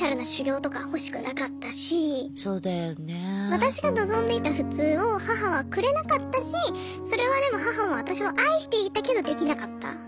私が望んでいた普通を母はくれなかったしそれはでも母も私を愛していたけどできなかった。